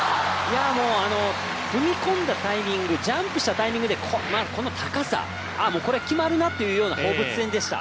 踏み込んだタイミング、ジャンプしたタイミングでこの高さ、ああもうこれ決まるなというような放物線でした。